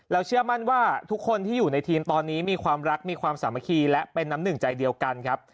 เชื่อมั่นว่าทุกคนที่อยู่ในทีมตอนนี้มีความรักมีความสามัคคีและเป็นน้ำหนึ่งใจเดียวกันครับ